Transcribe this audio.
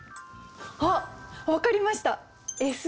あっ分かりました。